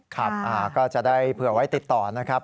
ครับก็จะได้เผื่อไว้ติดต่อนะครับ